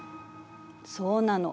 そうなの。